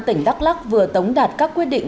tỉnh đắk lắc vừa tống đạt các quyết định